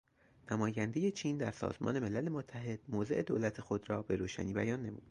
نمایندهٔ چین در سازمان ملل متحد موضع دولت خود را بروشنی بیان نمود.